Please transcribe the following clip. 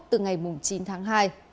từ ngày chín tháng hai